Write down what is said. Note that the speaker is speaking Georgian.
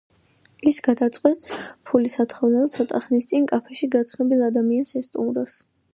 ის გადაწყვეტს, ფულის სათხოვნელად ცოტა ხნის წინ კაფეში გაცნობილ ადამიანს ესტუმროს.